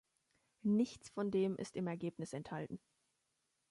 Nichts von dem ist im Ergebnis enthalten.